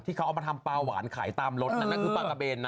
เขาเอามาทำปลาหวานขายตามรถนั่นคือปลากระเบนนะ